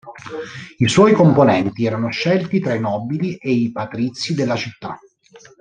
I suoi componenti erano scelti tra i nobili e i patrizi della città.